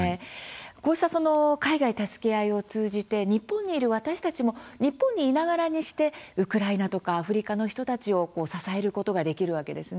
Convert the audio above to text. こうした「海外たすけあい」を通じて日本にいる私たちも日本にいながらにしてウクライナとかアフリカの人たちを支えることができるわけですね。